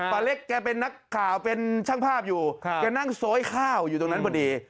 เล็กแกเป็นนักข่าวเป็นช่างภาพอยู่แกนั่งโซยข้าวอยู่ตรงนั้นพอดี